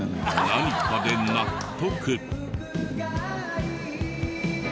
何かで納得。